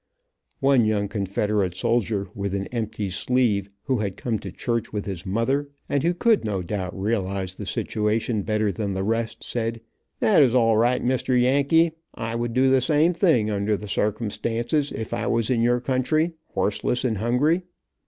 One young Confederate soldier, with an empty sleeve, who had come to church with his mother, and who could, no doubt, realize the situation better than the rest, said, "That is all right, Mr. Yankee. I would do the same thing, under the circumstances, if I was in your country, horseless and hungry."